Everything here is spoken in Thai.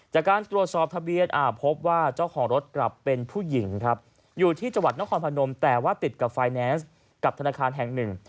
จากการตรวจสอบทะเบียนพบว่าเจ้าของรถกลับเป็นผู้หญิงครับอยู่ที่จังหวัดนครพนมแต่ว่าติดกับไฟแนนซ์กับธนาคารแห่งหนึ่ง